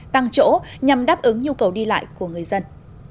tăng chỗ nhằm đáp ứng nhu cầu đi lại của người dân